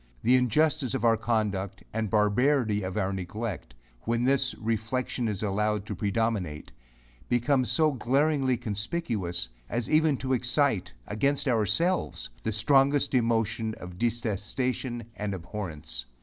The injustice of our conduct, and barbarity of our neglect, when this reflexion is allowed to predominate, becomes so glaringly conspicuous, as even to excite, against ourselves, the strongest emotion of detestation and abhorrence.